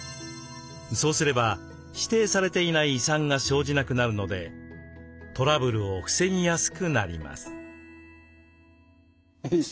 そうすれば「指定されていない遺産」が生じなくなるのでトラブルを防ぎやすくなります。